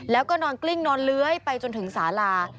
แล้วก็นอนกลิ้งนอนเลื้อยไปจนถึงสาลา